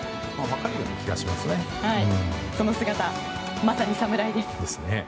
その姿、まさに侍です。